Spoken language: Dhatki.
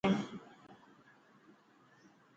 ڪمال ڪري ڇڏيو تين.